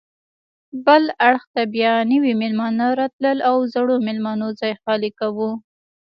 بل اړخ ته بیا نوي میلمانه راتلل او زړو میلمنو ځای خالي کاوه.